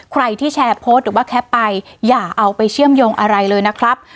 ใครที่แชร์โพสต์หรือว่าแคปไปอย่าเอาไปเชื่อมโยงอะไรเลยนะครับ